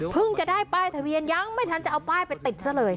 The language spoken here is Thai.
จะได้ป้ายทะเบียนยังไม่ทันจะเอาป้ายไปติดซะเลย